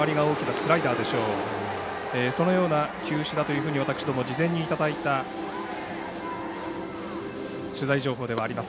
そのような球種だというふうに私ども、事前にいただいた取材情報ではあります。